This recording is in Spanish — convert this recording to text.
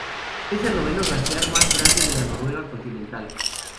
Es el noveno glaciar más grande de la Noruega continental.